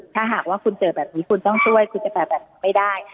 ถ้าหากว่าคุณเจอแบบนี้คุณต้องช่วยคุณจะไปแบบนี้ไม่ได้